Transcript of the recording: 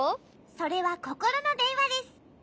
それはココロのでんわです。